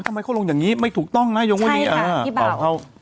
ทำไมเขาลงอย่างนี้ไม่ถูกต้องนะ